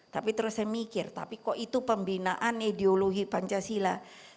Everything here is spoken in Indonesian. tapi terus saya mikir tapi kok itu pembinaan ideologi pancasila